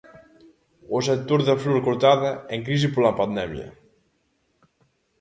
O sector da flor cortada, en crise pola pandemia.